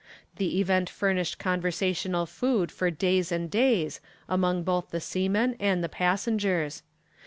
The event furnished conversational food for days and days among both the seamen and the passengers.